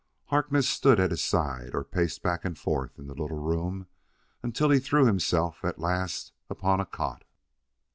Harkness stood at his side or paced back and forth in the little room, until he threw himself, at last, upon a cot.